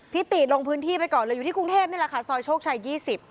ติลงพื้นที่ไปก่อนเลยอยู่ที่กรุงเทพนี่แหละค่ะซอยโชคชัย๒๐